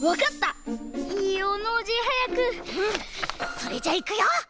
それじゃいくよ！